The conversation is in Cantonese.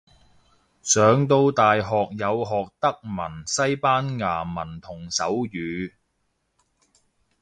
上到大學有學德文西班牙文同手語